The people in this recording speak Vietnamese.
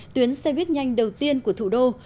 tuyến xe buýt nhanh đầu tiên của thủ đô